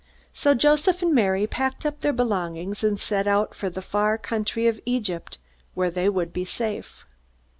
So Joseph and Mary packed up their belongings, and set out for the far country of Egypt where they would be safe.